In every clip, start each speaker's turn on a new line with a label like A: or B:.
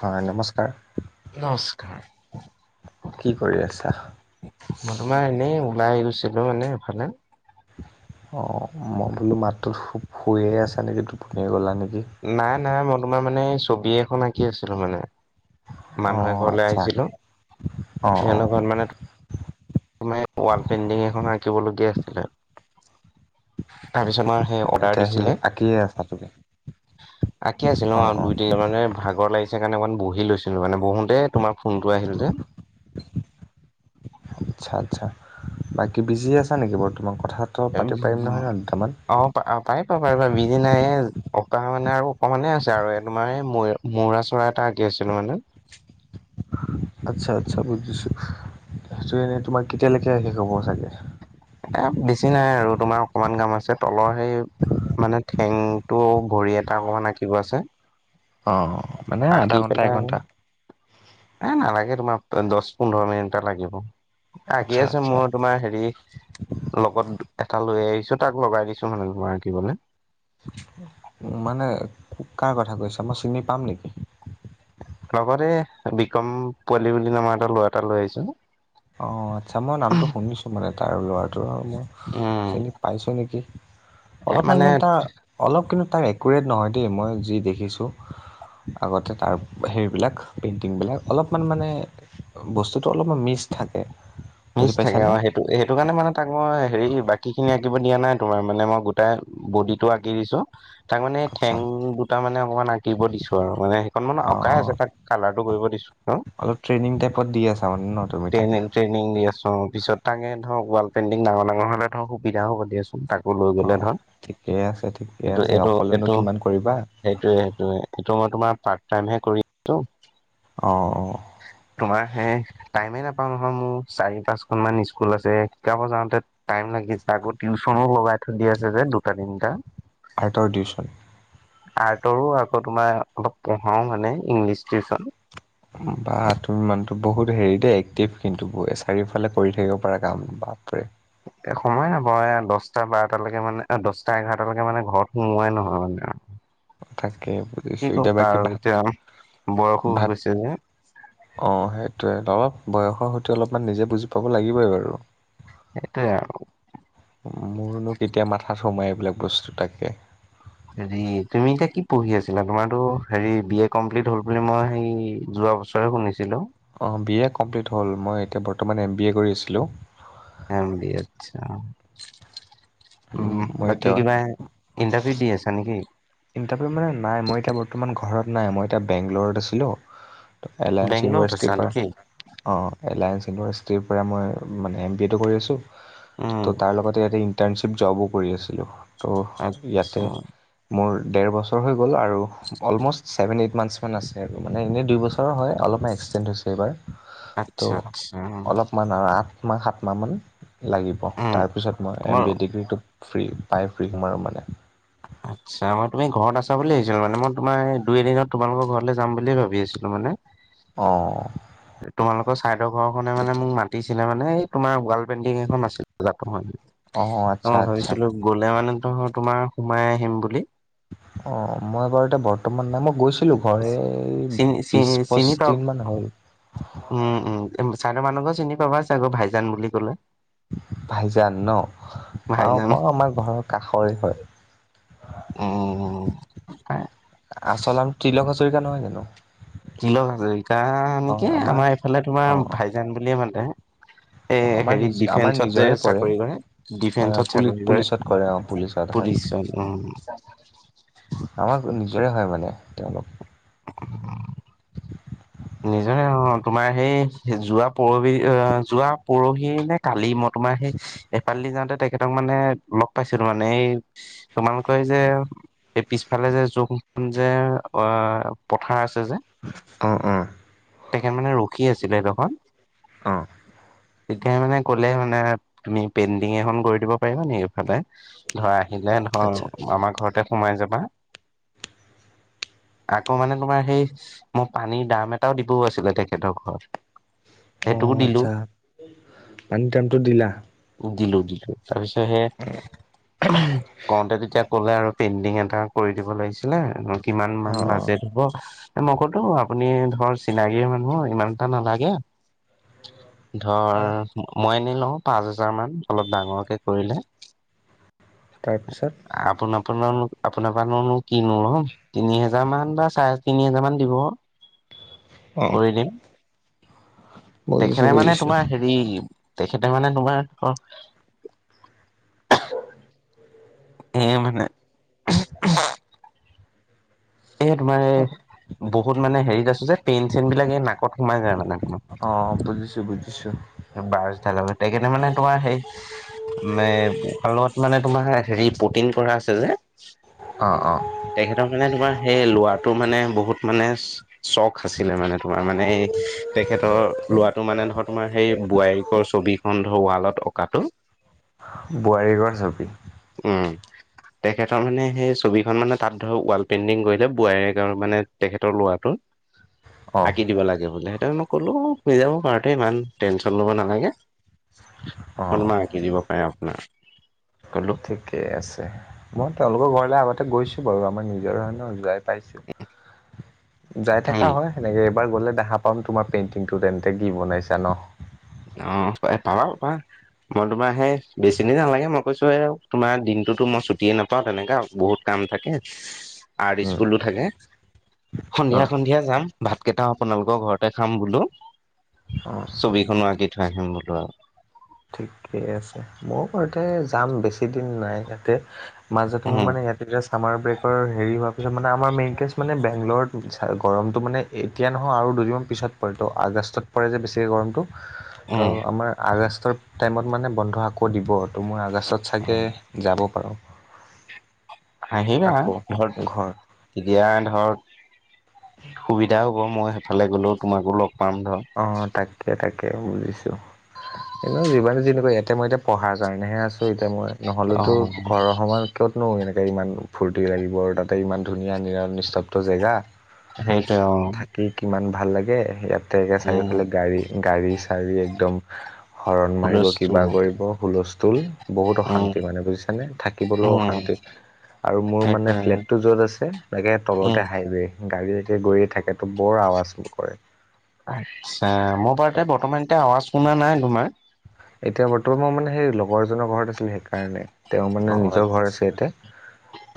A: হয় নমস্কাৰ
B: নমস্কাৰ।
A: কি কৰি আছা?
B: মই তোমাৰ এনেই ওলাই আহছিলোঁ মানে এফালে।
A: অ মই বোলো মাতটোতো শু শুয়ে আছা নেকি, টোপনিয়ে গ'লা নেকি?
B: নাই নাই মই তোমাৰ মানে ছবি এখন আঁকি আছিলো মানে। মানুহ
A: অঁ
B: এঘৰলে
A: আচ্ছা
B: আহিছিলোঁ।
A: অঁ অঁ
B: সিহঁতৰ ঘৰত মানে তুমে ৱাল পেইণ্টিং এখন আঁকিবলগীয়া আছিলে। তাৰপিছত মাৰ সেই অৰ্ডাৰ
A: এতিয়া সেই
B: দিছিলে।
A: আঁকিয়ে আছা তুমি
B: আঁকি আছিলো
A: অঁ
B: অ
A: অঁ
B: দুই তিনি জন মানে ভাগৰ লাগিছে কাৰণে অকণ বহি লৈছিলোঁ মানে বহোঁতে তোমাৰ ফোনটো আহিল যে।
A: আচ্ছা আচ্ছা বাকী বিজি আছা নেকি বৰ্তমান কথাত?
B: এম অ প পাৰিবা পাৰিবা বিজি নাই অকা মানে আৰু অকমানে আছে আৰু এই তোমাৰ এই ম- মৌৰা চৰা এটা আঁকি আছিলো মানে।
A: আচ্ছা আচ্ছা বুজিছো সেইটো এনে তোমাৰ কেতিয়ালৈকে শেষ হব চাগে।
B: এ বেছি নাই আৰু তোমাৰ অকমান কাম আছে তলৰ সেই- মানে ঠেংতটো ভৰি এটা অকমান আঁকিব আছে।
A: অ অ।
B: আকি পেলাই এ নালাগে তোমাৰ দহ পোন্ধৰ মিনিট এটা লাগিব।
A: আচ্ছা
B: আঁকি আছো
A: আচ্ছা
B: মোৰ তোমাৰ হেৰি। লগত এটা লৈ আহিছো তাক লগাই দিছো মানে তোমাৰ আঁকিবলে
A: মানে কাৰ কথা কৈছা মই চিনি পাম নেকি?
B: লগতে বিক্ৰম পোৱালি বুলি নামৰ এটা লৰা এটা লৈ আহিছো।
A: অ আচ্ছা মই নামটো শুনিছো মানে তাৰ ল'ৰাটোৰ মই
B: উম
A: চিনি পাইছো নেকি।
B: এ মানে
A: অলপমান কিন্তু তাৰ অলপ কিন্তু তাৰ একুৰেট নহয় দেই মই যি দেখিছোঁ। আগতে তাৰ হেৰিবিলাক পেইণ্টিংবিলাক অলপমান মানে বস্তুটো অলপমান মিচ থাকে। বুজি
B: মিছ থাকে
A: পাইছানে
B: আৰু সেইট- টো সেইটো কাৰণে মানে তাক মই হেৰি বাকী খিনি আঁকিব দিয়া নাই তোমাৰ মানে মই গোটাই বডিটোটো আঁকি দিছো। তাক মানে
A: আচ্ছা
B: ঠেং দুটা মানে অকমান আঁকিব দিছো আৰু মানে অকনমান অকাই
A: অঁ
B: আছে তাক কালাৰটো কৰিব দিছো ন
A: অলপ ট্ৰেইনিং টাইপত দি আছা মানে ন তুমি তাক
B: ট্টেইনিং নিং দি আছোঁ অ পাছত তাকে ধৰ ৱাল পেইণ্টিং ডাঙৰ ডাঙৰ হলে ধৰক সুবিধা হ'ব দিয়াচোন তাক
A: অ ঠিকে আছে ঠিকে
B: এইটো
A: আছে
B: এইটো
A: অকলেনো
B: এইটো
A: কিমান কৰিবা।
B: সেইটোৱে সেইটোৱে এইটো মই তোমাৰ পাৰ্ট টাইম হে কৰি আছো।
A: অ অ।
B: তোমাৰ সে টাইমে নাপাওঁ নহয় মো। চাৰি পাঁচখন মান স্কুল আছে শিকাব যাওঁতে টাইম লাগিছে আকৌ টিউচনো লগাই থৈ দিয়া আছে যে দুটা তিনটা।
A: আৰ্টৰ টিউশ্যন।
B: আৰ্টৰো আকৌ তোমাৰ অলপ পঢ়াও মানে ইংলিছ টিউচন।
A: বা তুমি মানুহতো বহুত হেৰি দেই এক্টিভ কিন্তু চাৰিওফালে কৰি থাকিব পাৰা কাম বাপৰে।
B: এ সময় নাপাওঁ এয়া দছটা বাৰটালেকে মানে দছটা এঘাৰটালেকে মানে ঘৰত সোমোৱাই নহয় মানে আ।
A: অ তাকেই বোল-
B: কি কবা আৰু এতিয়া বয়সো হৈ গৈছে যে।
A: অহ সেইটোৱে অলপ বয়সৰ সৈতে অলপমান নিজে বুজি পাব লাগিবই বাৰু।
B: সেইটোৱে আৰু।
A: মোৰনো কেতিয়া মাথাত সোমাই এইবিলাক বস্তু তাকে।
B: হেৰি তুমি এতিয়া কি পঢ়ি আছিলা তোমাৰো হেৰি বি এ কমপ্লিট হল বুলি মই হেৰি যোৱা বছ- ছৰে শুনিছিলোঁ।
A: অহ বি এ কমপ্লিট হ'ল মই এতিয়া বৰ্তমান এম বি এ কৰি আছিলোঁ।
B: এম বি আচ্ছা, উম
A: মই
B: বাকী
A: এতিয়া
B: কিবা এ ইণ্টাৰভিউ দি আছা নেকি?
A: ইণ্টাৰভিউ মানে নাই মই এতিয়া বৰ্তমান ঘৰত নাই মই এতিয়া বেংগলৰত আছিলোঁ। এলায়েন্স
B: বেংগলৰত
A: ইউনিভাৰ্ছিটি
B: আছা
A: পৰা
B: নেকি
A: অহ এলায়েন্স ইউনিভাৰ্চিটিৰ পৰা মই মানে এম বি এটো কৰি আছো।
B: উম
A: ত তাৰ লগতে ইয়াতে ইণ্টাৰ্ণশ্বিপ জবো কৰি আছিলোঁ ত
B: আচ্ছা
A: ইয়াতে মোৰ ডেৰ বছৰ হৈ গ'ল আৰু অলম'ষ্ট ছেভেন এইট মান্থছমান আছে আৰু মানে এনেই দুই বছৰৰ হয়। অলপমান এক্সটেণ্ড হৈছে, এইবাৰ ত
B: আচ্ছা আচ্ছা
A: অলপমান আৰু আঠ মাহ সাত মাহমান লাগিব
B: উম
A: তাৰপিছত মই এম বি এ ডিগ্ৰীটো ফ্ৰী পাই ফ্ৰী সোৰ্মাম মানে।
B: আচ্ছা মই তুমি ঘৰত আছা বুলি ভাবিছিলো মানে মই তোমাৰ দুই এদিনত তোমালোকৰ ঘৰলৈ যাম বুলিয়ে ভাবি আছিলো মানে।
A: অহ।
B: তোমালোকৰ চাইদৰ ঘৰখনে মানে মোক মাতিছিলে মানে এই তোমাৰ ৱাল পেইণ্টিং এখন আছিল জাত মহাবীৰ।
A: অঁ আচ্ছা
B: মই
A: আচ্ছা
B: ভাবিছিলো গ'লে মানে তহৰ তোমাৰ সোমাই আহিম বুলি।
A: অ মই বাৰু এতিয়া বৰ্তমান নাই মই গৈছিলো। ঘৰে
B: চিনি চি
A: বিছ পচ
B: চিনি পাব
A: দিন মান হ'ল।
B: উম উম চাৰদ মানুহ ঘ চিনি পাবা চাগে ভাইজান বুলি ক'লে?
A: ভাইজান ন পাওঁ
B: ভাইজান
A: পাওঁ আমাৰ ঘৰ কাষৰে
B: উম
A: হয়। আচ নাম ত্ৰিলং হাজৰিকা নহয় জানো?
B: তিলক হাজৰিকা নেকি আমাৰ এইফালে তোমাৰ
A: অঁ
B: ভাইজান বুলিয়ে মাতে।
A: অঁ
B: এ
A: আমাৰ নিজ
B: হেৰিত
A: আমাৰ
B: ডিফেন্সত যে
A: নিজৰে পৰে
B: চাকৰি কৰে
A: হয়
B: ডিফেন্সত
A: পুলি
B: চাকৰি কৰে
A: পুলিচত অ পুলিচত হয়
B: পুলিচত। অহ।
A: আমাক নিজৰে হয় মানে তেওঁলোক। [inaudible]
B: নিজৰে অ তোমাৰ সেই যোৱা পোৰহি অ যোৱা পৰহি নে কালি মই তোমাৰ সে- এপালি যাওতে তেখেতক মানে লগ পাইছিলো মানে এ- তোমালোকে যে এই পিছফালে যে জখ সিখন যে অ পথাৰ আছে যে।
A: অ অ।
B: তেখেত মানে ৰখি আছিলে এদখত।
A: অহ।
B: তেতিয়া মানে ক'লে মানে তুমি পেইণ্টিং এখন কৰি দিব পাৰিবা নেকি এইফালে ধৰা আহিলে
A: আচ্ছা
B: ধৰ আমাৰ ঘৰতে সোমাই যাবা। ক মানে তোমাৰ সেই মই পানীৰ দাম এটাও দিবও আছিলে তেখেতৰ ঘৰত।
A: অ
B: সেইটোও দিলো
A: আচ্ছা পানী দামটো দিলা।
B: দিলো দিলো তাৰপিছত সে কওতে তেতিয়া ক'লে আৰু পেইণ্টিং এটা কৰি দিব লাগিছিলে আৰু কিমান
A: অ
B: মান বাজ- হব মই কলোঁ আপুনি ধৰ চিনাকি মানুহ ইমানটা নালাগে।
A: [inaudible]
B: ধৰ মই এনেই লও পাচ হেজাৰমান অলপ ডাঙৰকে কৰিলে।
A: তাৰপিছত
B: আপোন আপোনন আপোনাৰ পৰা কিনো লম। তিনি হেজাৰ মান বা চাৰে তিনি হেজাৰ মান দিব।
A: [inaudible]
B: কৰি দিম।
A: বুজিছো
B: তেখেতে মানে
A: বুজিছো
B: তোমাৰ হেৰি তেখেতে মানে তোমাৰ হ- এ মানে এ তোমাৰ এ বহুত মানে হেৰিত আছো যে পেইন চেইন বিলাক এই নাকত সোমাই যায় মানে তোমা।
A: অ বুজিছো বুজিছো।
B: বাছঢাল তেখেতে মানে তোমাৰ সেই মে তাৰলগত তোমাৰ হেৰি পুটিন কৰা আছে যে।
A: অ অ।
B: তেখেতৰ মানে তোমাৰ সেই লৰাটো মানে বহুত মানে চখ আছিলে মানে তোমাৰ মানে তেখেতৰ লৰাটো মানে ধৰ তোমাৰ সেই বোৱাৰীকৰ ছবিখন ধৰ ৱালত অকাটো।
A: বোৱাৰীকৰ ছবি।
B: উম। তেখেতৰ মানে সেই ছবিখন মানে তাত ধৰ ৱাল পেইণ্টিং কৰিলে বোৱাৰীকৰ মানে তেখেতৰ লৰাটো।
A: [inaudible]
B: আকি দিব লাগে বোলে, সেইটোৱে মই ক'লো হৈ যাব পাৰোতে ইমান টেনচন লব নালাগে।
A: অ
B: মইনো আঁকি দিব পাৰে আপোনাৰ কলো।
A: ঠিকে আছে মই তেওঁলোকৰ ঘৰলে আগতে গৈছো বাৰু আমাৰ নিজৰ হৈ ন যাই পাইছো, যাই
B: উম
A: থকা হয় সেনেকে। এবাৰ গ'লে দেখা পাম তোমাৰ পেইণ্টিংটো তেন্তে কি বনাইছা ন?
B: অ, পায় পাবো পাৰা। মই তোমাৰ সেই বেছিদিন নালাগে মই কৈছো এও তোমাৰ দিনটোতো মই ছুটিয়ে নাপাও তেনেকা বহুত কাম থাকে আৰ্ট
A: উম
B: স্কুলো থাকে।
A: অ
B: সন্ধিয়া-সন্ধিয়া যাম ভাত কেইটাও আপোনালোকৰ ঘৰতে খাম বোলো
A: অ
B: চবেই। খনো আকি থৈ আহিম বোলো আৰু।
A: ঠিক আছে মইও ঘৰতে যাম বেছি দিন নাই ইয়াতে মাজতে মোৰ
B: উম
A: মানে ইয়াত তেতিয়া ছামাৰ ব্ৰেকৰ হেৰি হোৱাৰ পিছত মানে আমাৰ মেইন কেছ মানে বেংগলৰতো গৰমটো মানে এতিয়া নহয় আৰু দুদিনমান পিছত পৰে তো আগষ্টত পৰে যে বেছিকে গৰমটো ত'
B: উম
A: আমাৰ আগষ্টৰ টাইমত মানে বন্ধ আকৌ দিব ত' মই আগষ্ট পিছত চাগে
B: উম
A: যাব পাৰোঁ।
B: হাঁহিবা
A: আকৌ
B: ধৰ
A: ঘৰ।
B: তেতিয়া ধৰ সুবিধা হ'ব মই সেইফালে গ'লেও তোমাকো লগ পাম ধৰ
A: অ, তাকে-তাকে বুজিছোঁ। এনেও যিমান যি নোকোৱা ইয়াতে মই এতিয়া পঢ়াৰ কাৰণেহে আছো এতিয়া মই
B: অ
A: নহলেতো ঘৰৰ সমান কতনো এনেকে ইমান ফূৰ্তি লাগিব আৰু তাতে ইমান ধুনীয়া নিৰা নিস্তব্ধ জেগা।
B: সেইটোৱে অ,
A: দি কিমান ভাল লাগে ইয়াতে একা
B: উম
A: চাৰিওফালে গাড়ী-চাড়ী একদম হৰণ মাৰিব কিবা
B: হুলস্থুল
A: কৰিব হুলস্থুল। বহুত
B: উম
A: অশান্তি মানে বুজিছানে থাকিবলৈও
B: উম
A: অশান্তি। আৰু মোৰ মানে
B: সেইটোৱে
A: ফ্লেটটো য'ত আছে তাকে
B: উম
A: তলতে হাইৱে। গাড়ীয়েকে গৈয়ে থাকেতো বৰ আৱাজ কৰে।
B: আচ্ছা মই বাৰু তে বৰ্তমান এতিয়া আৱাজ শুনা নাই তোমাৰ
A: এতিয়া বৰ্তমান মই মানে সেই লগৰ এজনৰ ঘৰত আছিলোঁ সেইকাৰণে। তেওঁ মানে
B: অ
A: নিজৰ ঘৰ আছে
B: আচ্ছা
A: ইয়াতে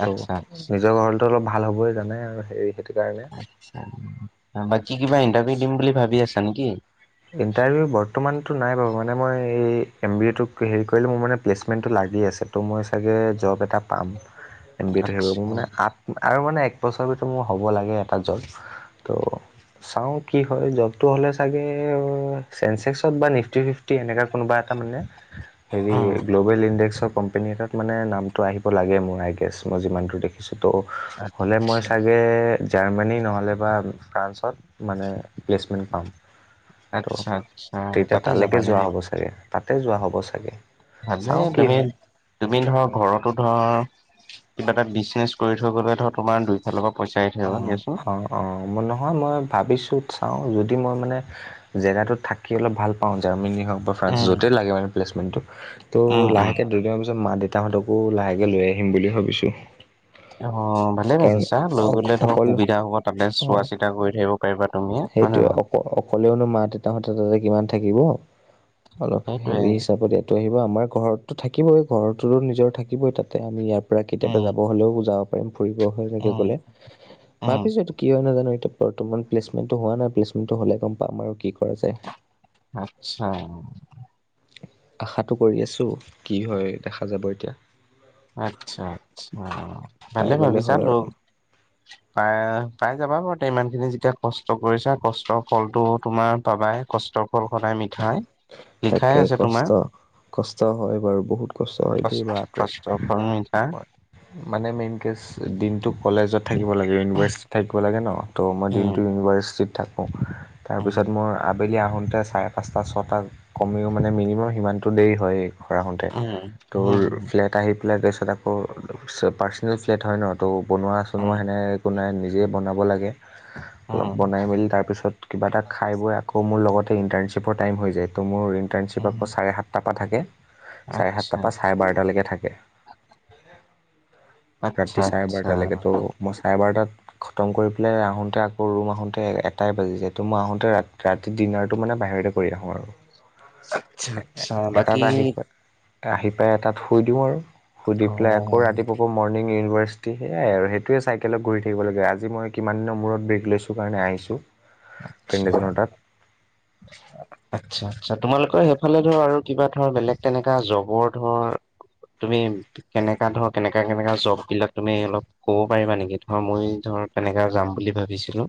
B: আচ্ছা
A: ত'
B: আচ্ছা
A: নিজৰ ঘৰ টো অলপ ভাল হ'বইে জানে আৰু হেৰি সেইটো কাৰণে।
B: বাকি কিবা ইণ্টাৰভিউ দিম বুলি ভাবি আছা নেকি?
A: ইণ্টাৰভিউ বৰ্তমানটো নাই বাৰু মানে মই এই এম বি এটোক হেৰি কৰিলোঁ মোৰ মানে প্লেচমেণ্টটো লাগি আছে। তো মই চাগে জব এটা পাম এম বি এটো থাকিব মোৰ
B: আচ্ছা
A: মানে [unintelligible] আৰু মানে এক বছৰ ভিতৰত মোৰ হ'ব লাগে এটা জব। ত' চাও কি হয় জবটো হ'লে চাগে তেওঁ চেনচেক্সত বা নিফতি ফিফ্টি এনেকে কোনোবা এটা মানে হেৰি
B: উম
A: গ্ল ৱেল ইনডেক্সৰ কোম্পানী এটাত মানে নামতো আহিব লাগে মোৰ আই গেছ মই যিমানটো দেখ [unintelligible] তো হ'লে মই
B: আচ্ছা
A: চাগে জাৰ্মানী নহ'লে বা ফ্ৰান্সত মানে প্লেচমেণ্ট পাম। ত'
B: আচ্ছা আচ্ছা
A: তেতিয়া
B: তাতে
A: তালেকে
B: যাবা
A: যোৱা
B: নেকি
A: হ'ব চাগে তাতে যোৱা হ'ব চাগে।
B: ভালে
A: চাওঁ কি
B: তুমি
A: হয়
B: তুমি ধৰ ঘৰতো ধৰ কিবা এটা বিজনেচ কৰি থৈ গলে ধৰ তোমাৰ দুই ফালপা পইচাই
A: অ, হ' অ, নহয় মই ভাবিছো চাওঁ যদি মই মানে জেগাতোত থাকি অলপ ভাল পাওঁ জাৰ্মানী হওঁক বা ফ্ৰান্স
B: উম
A: য'তেই লাগে মানে প্লেছমেণ্টটো ত'
B: উম উম।
A: লাহেকে দুদিন মান পিছত মা দে উতা হঁতকো লাহেকে লৈ আহিম বুলি ভাবিছোঁ।
B: অ, ভালে
A: কাৰণ
B: ভাবিছা। লৈ
A: অক
B: গ'লে ধৰক
A: অকল
B: সুবিধা হ'ব তাতে
A: অঁ
B: চোৱা- চিতা কৰি থাকিব পাৰিবা তুমি হয় নে
A: সেইটোৱে অক
B: নহয়?
A: অকলেওনো মা-দেউতাহঁতে তাতে কিমান থাকিব অলপ
B: সেইটোৱে
A: হেৰি হিচাপতে ত' আহিব আমাৰ ঘৰততো থাকিবই ঘৰতটোতো নিজৰ থাকিবই তাতে আমি ইয়াত পৰা কেতিয়াবা
B: উম
A: যাব হ'লেও যাব পাৰিম ফুৰিব হয় চাগে
B: উম
A: গলে
B: উম
A: ভাবিছোঁ এইটো কি হয় নাজানো এতিয়া বৰ্তমান প্লেচমেণ্টো হোৱা নাই প্লেচমেণ্টো হ'লে গম পাম আৰু কি কৰা যায়।
B: আচ্ছা।
A: আশাটো কৰি আছোঁ কি হয় দেখা যাব এতিয়া।
B: আচ্ছা আচ্ছা
A: পাই
B: ভালে
A: গ'লে
B: ভাবিছা
A: হ'ল
B: তো
A: [inaudible]
B: পায় পাই যাবা বাৰু তে ইমান খিনি যেতিয়া কষ্ট কৰিছা কষ্টৰ ফলটো তোমাৰ পাবাই কষ্ট ফল সদায় মি ঠাই
A: তাকে কষ্ট কষ্ট হয় বাৰু বহুত কষ্ট হয় দে বাপৰে
B: নিজৰ কৰ্মাই মিঠা
A: মানে মেইন কেচ দিনটো কলেজত থাকিব লাগে ইউনিভাৰ্চিটিত থাকিব লাগে ন ত' মই
B: উম
A: দিনটো ইউনিভাৰ্চিটিত থাকোঁ
B: উম
A: তাৰপিছত মই আবেলি আহোঁতে চাৰে পাঁচটা ছটা কমেও মানে মিনিমাম সিমানটো দেৰি হয়ে ঘৰ আহোতে
B: উম
A: ত
B: উম
A: ফ্লেট আহি পেলাই ডেচ আকৌ পাৰ্চনেল ফ্লেট হয় ন ত' বনোৱা চনোৱা
B: উম
A: সেনে একো নাই নি নিজেই বনাব লাগে অলপ
B: উম
A: বনাই মেলি তাৰপিছত কিবা এটা খাই বৈ আকৌ মোৰ লগতে ইণ্টাৰ্ণশ্বিপৰ টাইম হৈ যায় ত' মোৰ ইণ্টাৰ্ণশ্বিপত
B: উম
A: আকৌ চাৰে সাতটাপা থাকে চাৰে
B: আচ্ছা
A: সাতটাৰ পৰা চাৰে বাৰটালৈকে থাকে
B: আচ্ছা
A: ৰাতি চাৰে
B: আচ্ছা
A: বাৰটালৈকে তো মই চাৰে বাৰটাত খতম কৰি পেলাই আহোতে আকৌ ৰুম আহোতে এটাই বাজি যায় টো মই আহোতে ৰাতি ডিনাৰটো মানে বাহিৰতে কৰি আহো আৰু
B: আচ্ছা
A: এ এ
B: আচ্ছা
A: এটা
B: বাকী
A: আহি পায় আহি পাই এটাত শুই দিওঁ আৰু। শুই দি
B: অ
A: পেলাই আকৌ ৰাতিপুৱা পা মৰ্ণিং ইউনিভাৰ্চিটি সেয়াই আৰু সেইটোৱে চাইকেলত ঘূৰি থাকিব লাগে। আজি মই কিমান দিনৰ মূৰত ব্ৰেক লৈছোঁ কাৰণে আহিছোঁ।
B: আচ্ছা
A: ফ্ৰেণ্ড এজনৰ তাত।
B: [inaudible] আচ্ছা, আচ্ছা তোমালোকৰ সেইফালে ধৰা আৰু কিবা ধৰ বেলেগ তেনেকা জবৰ ধৰা তুমি কেনেকা ধৰ কেনেকা কেনেকা জব বিলাক তুমি অলপ ক'ব পাৰিবা নেকি? ধৰা মই ধৰ তেনেকা যাম বুলি ভাৱিছিলোঁ।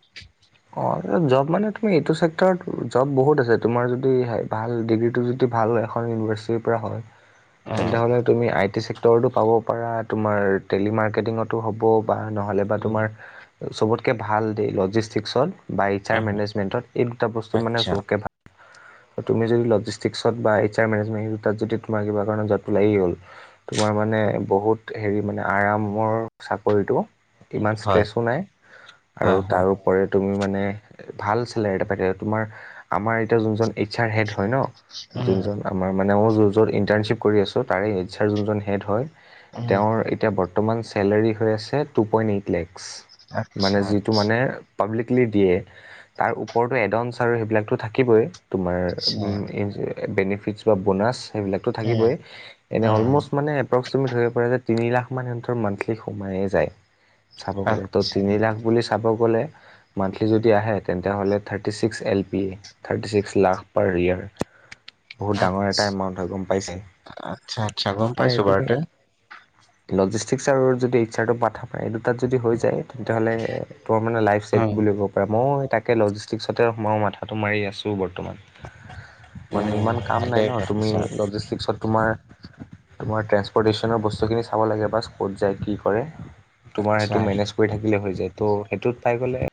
A: অ, জব মানে তুমি এইটো চেক্টৰত জব বহুত আছে। তোমাৰ যদি হাই ভাল ডিগ্ৰীটো যদি যদি এখন ভাল ইউনিভাৰ্চিটিৰ পৰা হয়। তেন্তে
B: উম
A: হ'লে তুমি আই টি চেক্টৰতো পাব পাৰা, তোমাৰ টেলি মাৰ্কেটিঙটো হ'ব। বা নহ'লে বা
B: উম
A: তোমাৰ চবতকে ভাল দেই লজিষ্টিক্সত। বাই এইচ আৰ
B: উম
A: মেনেজমেণ্টত এই দুটা বস্তু মানে
B: আচ্ছা
A: চবতকে ভাল। তুমি যদি লজিষ্টিকছ বা এইচ আৰ মেনেজেণ্টত যদি তোমাৰ কিবা কাৰণত জতটো লাগি গ'ল তোমাৰ মানে বহুত হেৰি মানে আৰামৰ চাকৰিটো ইমান
B: হয়
A: ষ্ট্ৰেছো নাই আৰু
B: হয় হয়
A: তাৰও ওপৰে তুমি মানে ভাল চেলোৰী এটা পাই থাকিবা তোমাৰ, আমাৰ এতিয়া যোনজন চাৰ হেড হয় ন?
B: উম
A: যোনজন আমাৰ মানে মই য'ত য'ত ইণ্টাৰ্ণশ্বিপ কৰি আছোঁ তাৰে এইচ আৰৰ যোনজন হেড হয়
B: উম
A: তেওঁৰ এতিয়া বৰ্ত বৰ্তমান চেলাৰী হৈ আছে টু পইণ্ট এইট লেকস। মানে
B: আচ্ছা
A: যিটো
B: আচ্ছা
A: মানে পাব্লিকলি দিয়ে। তাৰ ওপৰটো এডন চাৰ সেইবিলাকটো থাকিবই। তোমাৰ
B: আচ্ছা
A: ও ইন্স বেনিফিটছ বা বোনাছ সেইবিলাকটো
B: উম
A: থাকিবই। এনে
B: উম
A: অলম'ষ্ট মানে এপ্ৰক্স ধৰি পাৰে যে তিনি লাখ মান সিহঁতৰ মান্থলি সোমায়ে যায়। চাব গ'লে ত'
B: আচ্ছা
A: তিনি লাখ বুলি চাব গ'লে মান্থলি যদি আহে তেন্তেহ'লে thirty six L P. Thirty six lakh per year. বহুত ডাঙৰ এটা এমাউণ্ট হ'য় গম পাইছে?
B: আচ্ছা আচ্ছা গম পাইছো
A: সেইটোৱে।
B: বাৰুতে
A: লজিষ্টিক্স ছাৰৰ যদি এইচ আৰ টো পাঠ পায়। এই দুটাত যদি হৈ যায় তেন্তেহ'লে তোৰ মানে লাইফ ছেট
B: হয়।
A: বুলি ক'ব পাৰা। মও তাকে লজিষ্টিক্সতে সোমাব মাথাটো মাৰি আছোঁ বৰ্ত মান। মানে
B: উম
A: ইমান কাম নাই
B: ভালেই
A: ন' তুমি
B: ভাবিছা
A: লজিষ্টিক্সত তোমাৰ তোমাৰ ট্ৰেন্সপৰ্টেশ্যনৰ বস্তুখিনি চাব লাগে বাচ ক'ত যায়, কি কৰে। তোমাৰ
B: আচ্ছা
A: এইটো মেনেজ কৰি থাকিলে হৈ যায় ত' সেইটোত পাই গ'লে